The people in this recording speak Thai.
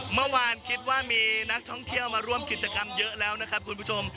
เมื่อวานคิดว่ามีนักท่องเที่ยวมาร่วมกิจกรรมเยอะแล้วนะครับคุณผู้ชม